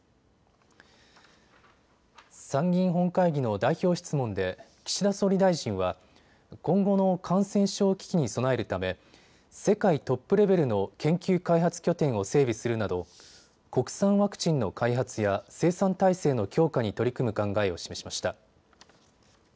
参議院本会議の代表質問で岸田総理大臣は今後の感染症危機に備えるため世界トップレベルの研究開発拠点を整備するなど国産ワクチンの開発や生産体制の強化に取り組む考えを示しました。